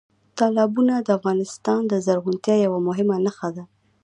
تالابونه د افغانستان د زرغونتیا یوه مهمه نښه ده.